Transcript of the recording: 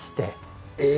え